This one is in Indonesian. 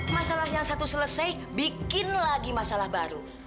masalah yang satu selesai bikin lagi masalah baru